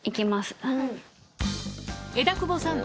枝久保さん